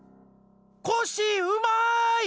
コッシーうまい！